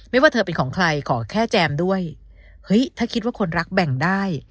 ว่าเธอเป็นของใครขอแค่แจมด้วยเฮ้ยถ้าคิดว่าคนรักแบ่งได้